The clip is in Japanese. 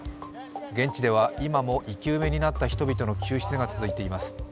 現地では今も生き埋めになった人々の救出が続いています。